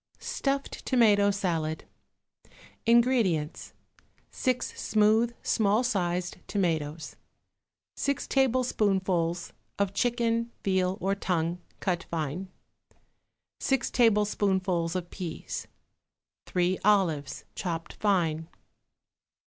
=Stuffed Tomato Salad.= INGREDIENTS. 6 smooth, small sized tomatoes. 6 tablespoonfuls of chicken, veal or tongue, cut fine. 6 tablespoonfuls of peas. 3 olives, chopped fine.